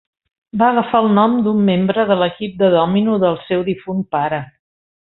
Va agafar el nom d'un membre de l'equip de dòmino del seu difunt pare.